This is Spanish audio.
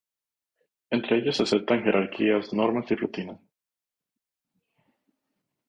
Entre ellos se aceptan jerarquías, normas y rutinas.